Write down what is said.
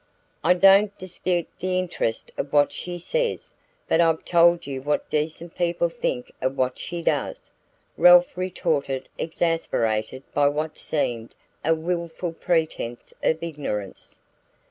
"I don't dispute the interest of what she says; but I've told you what decent people think of what she does," Ralph retorted, exasperated by what seemed a wilful pretense of ignorance.